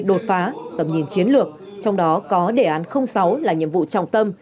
đột phá tầm nhìn chiến lược trong đó có đề án sáu là nhiệm vụ trọng tâm